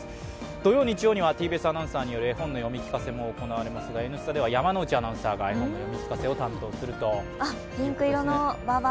土曜、日曜にはＴＢＳアナウンサーによる絵本の読み聞かせも行われますが「Ｎスタ」では山内アナウンサーが読み聞かせを担当します。